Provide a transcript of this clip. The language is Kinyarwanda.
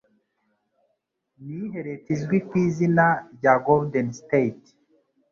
Ni iyihe Leta izwi ku izina rya Golden State